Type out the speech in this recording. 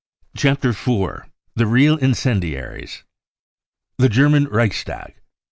^ 1 Chapter IV: THE REAL INCEN DIARIES The German Reichstag.